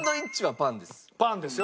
パンですよ。